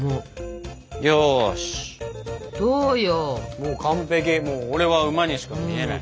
もう完璧俺は馬にしか見えない！